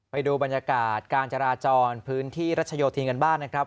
ไปดูบรรยากาศการจราจรพื้นที่รัชโยธินกันบ้างนะครับ